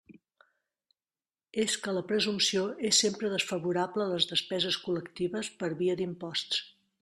És que la presumpció és sempre desfavorable a les despeses col·lectives per via d'imposts.